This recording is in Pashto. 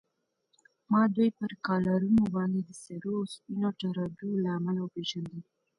ما دوی پر کالرونو باندې د سرو او سپینو ټراډو له امله و پېژندل.